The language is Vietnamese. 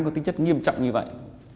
có tính chất nghiêm trọng như vậy